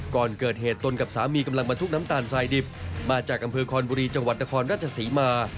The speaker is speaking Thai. ก่อนเกิดเหตุตนกับสามีกำลังบรรทุกน้ำตาลสายดิบมาจากอำเภอคอนบุรีจังหวัดนครราชศรีมา